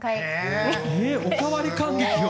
おかわり観劇を。